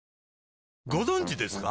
ご存知ですか？